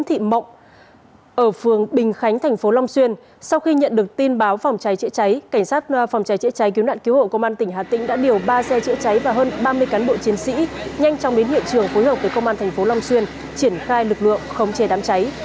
trường phối hợp với công an thành phố long xuyên triển khai lực lượng không chê đám cháy